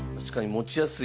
持ちやすい。